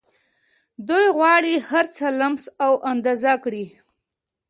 دوی غواړي هرڅه لمس او اندازه کړي